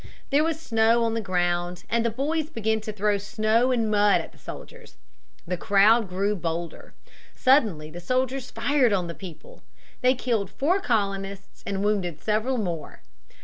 There was snow on the ground, and the boys began to throw snow and mud at the soldiers. The crowd grew bolder. Suddenly the soldiers fired on the people. They killed four colonists and wounded several more.